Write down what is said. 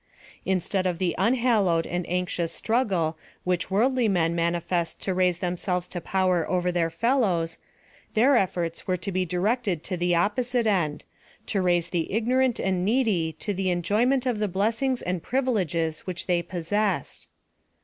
Instead of the unhallowed and anxious struo^ g!e which worldly men manifest to raise themselves lo [)ower over their fellows, their efforts were to be directed to the opposite end ; to raise the ignorant and the needy to the enjoyment of the blessings and privileges which they possessed.